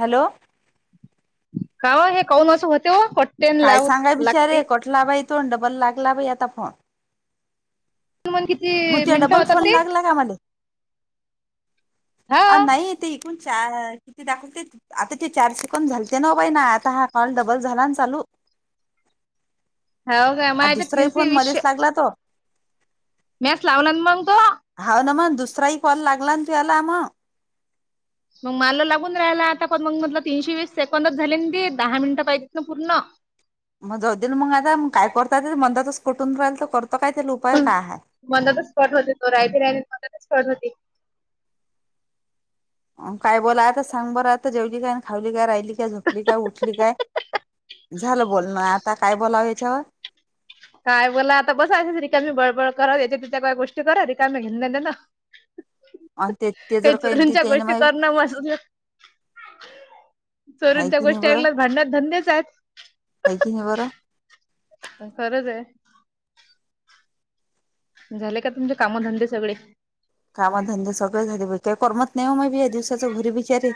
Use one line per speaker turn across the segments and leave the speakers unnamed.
Hello
का हे कोन अस होते व फोट
काय सांगाय बचारे कोठला बाई तोन डबल लागला बाई आता फोन
तू मग किती
मग ते
मिनिटं
डबल
होतात
फोन
ते
लागला का मले
हा
अ नाही ते कुणच्यात ते दाखवते आता ते चार शिकून झालते ना बाई ना आता हा काल डबल झाला ना चालू आ दुसराही फोन मध्येच
[unintelligible]
लागला तो
मेस लावलं ना मग तु?
हाव ना मग दुसराही कॉल लागला ना याला मग
मग मला लागून राहियला आता पण मग मटलं तीनशे वीस सेकंदडच झाले दे दहा मिनिटं पाहिजेत ना पूर्ण [inaudible]
मग जाऊदे मग आता काय करत ते मंदातच कुटून राहील तर करतो काय त्याला उपाय काय आहे
मंदातच स्पॉट होते तो रायती राह मंदातच स्पॉट होती
काय बोला आता सांग बरं आता जेवली काय खावली काय राहिली काय झोपली काय उठली काय? झालं बोलण आता काय बोलावं याच्यावर
काय बोला आता बसयच रिकामी बळबळ करात याच्या तिच्या काही गोष्टी कर रा रिकाम घेन, देन
आणि ते ते जर
हेच
काही
चुरंच्या
त्याने
गोष्टी
माहित
करणार माझ
हाय
चोरूनच्या
की नाही
गोष्टी
बरं
ऐकत भांड धंदेच आहेत
हाय कि नाही बरं
खरंच आहे झाले का तुमचे कामधंदे सगळे
कामधंदे सगळें झाले पाजे काही करमत नाही हो मेबी या दिवसाच घरी बीचारे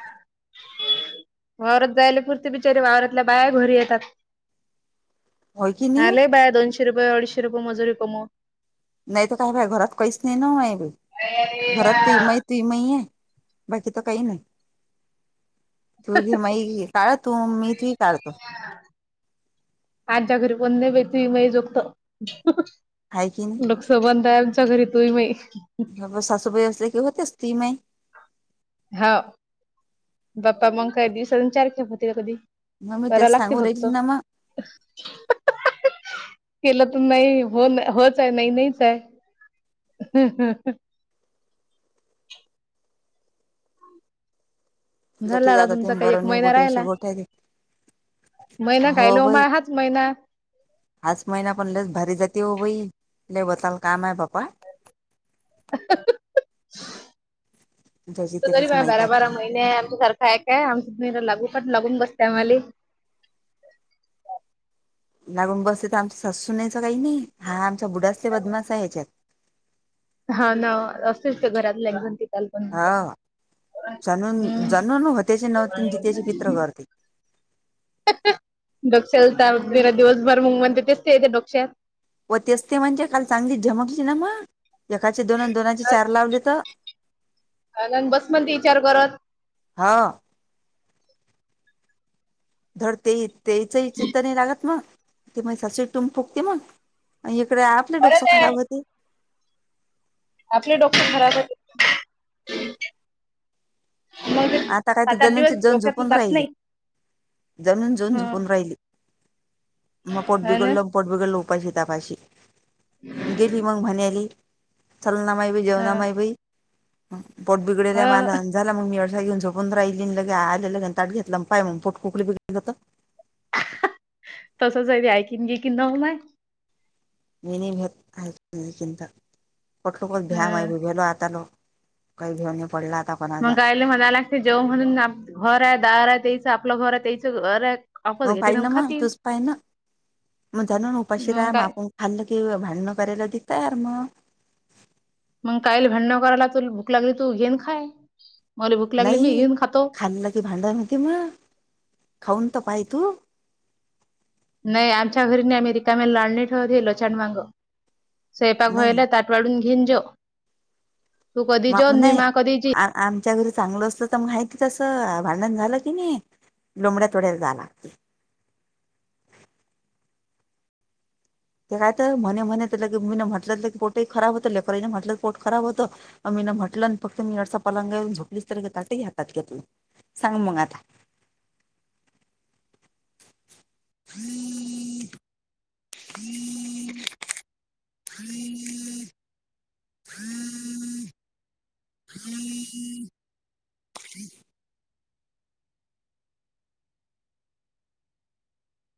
[inaudible] वर जायला पुुरते बिचारीे वावरातल्या बाया घोरी येतात
होय की नाही
हाले बाया दोनशे रुपये, अडीचशे रुपये मजुरी कमवून
नाही तर काय बाय घरात कहीस नाही ना घरात तू महि तु मही आहे बाकी त काही नाही. तू घे म काढ तू मी तूही काढतो.
आच्या घरी पन नाही ब त मही जोगत
हाय की
सबंध आहे आमच्या घरी तुहि मई
सासू व्यवसाय क होते स्त्रीमय
हा बाप्पा मग काय दिवस चार खेप होते कधी?
मग मी
करा
तेच
लागते
सांगू
फक्त
राहिली ना मग
केलं तर नाही हो होच आहे नाही नाहीच आहे
जठे
झाला ना
जाता
तुमचा
ते
काही एक
बरं नाही
महिना
गोटी अशी
राहिला
गोठ आहे
महिना कायल लोमा हाच महिना
आज महिना पण लस भारी जाते हो बाई लवताल काम आहे बाप्पा ज्याची
तरी
त्यालाच
बाय
माहित
बारा,
आहे
बारा
काय
महिने आमच्या सारख काय काय आमच तुम्ही लागू पण लागून बसते आम्हाली
लागून बसले तर आमचा सासू नच काही नाही हा आमचा बुडा असले बदमाश ह्याच्यात.
हा ना असेच ते घरात ल एकण ते चाल पण
हा जाणून
हम्
जाणून होत्याचे नव्हते आणि जित्याचे पित्र
[unintelligible]
करते
[unintelligible] डोक्शाला ताप मेरा दिवस भर म्हणते तेच येते डोक्यात.
व तेच ते म्हणजे काल चांगली झमकली ना मग एकाचे दोन दोनाचे चार लावले तर
[unintelligible] बस म्हणती विचार करत.
हा.. धडते तेचही चित्त नाही लागत मग ते मग सास [unintelligible] टुम फोकते मग. इकडे आपली की डोक
परत ये
खराब होते.
आपले डॉक्टर घरातात. मग
आता काय
सात, आठ दिवस डोक्यात जात नाही.
जमीन जऊन
हम्म
झोपून राहिली मग पोट
हा ना
बिघडलं पोट बिघडलं उपाशी, तपाशी गेली मग म्ह आली च ना मा ठेव
हा
ना माय बी पोट बिगडल
ह
झाला मी घेऊन झोपून राहीली लगे आले लगे ताट घेतलं पाय मग पोट [unintelligible]
हां ह तसच आहे ते ऐकिन घेकीन नवं नाय
मी नाही भेत चि कठलो कत भ्या म
हम्म.
भलो आतालो काही घेऊन पडला आता. कोणाचा
मगाला म्हणाला लागते जेव म्हणून घर आहे दार आहे त्याच आपलं घर आहे त्याचं घर आहे. आपत
मग
घेतील
पाहि
आणि
ना मग
खातील
तूच पाहि ना मग मुदामणून उपाशी
मग
राहा
काय
आपूण. खाल्लं की भांडंण करायला तयार मग.
मग काहील भांडण करायला त भूक लागली तू घेन खा.
नाही खाल्ल की भांडाण म खाऊन तर पाय तू
नाही आमच्या घरी नाही रिकामे लाड नाही ठेवत लछाड मांग स्वयंपाक
नाही
व्हायला ताट वाढून घेऊन जेव तू कधी
म
जेव मी
नाई
मा कधी जी.
आमच्या घरी चांगलं असत तर मग माहिती तसं भांडण झालं की नाही लोंब्याडया थोड्या जाय लागते. ते काय तर म्हणे म्हणत की मी म्हटलंलं की पोटही खराब होतं लेकरान म्हटलं पोट खराब होतं. मी ना म्हटलं आणि फक्त मी अडसा पलंग येऊन झोपलीच तर ताट ही घेतल हातात घेत सांग मग आता. [inaudible] [inaudible] [inaudible]